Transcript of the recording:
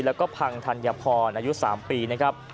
แล้วก็พังธัญพรอายุ๓ปีนะครับ